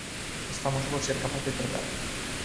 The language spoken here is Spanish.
Es famoso por ser capaz de trotar.